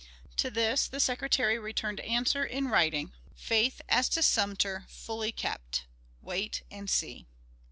To this the Secretary returned answer in writing: "_Faith as to Sumter fully kept. Wait and see.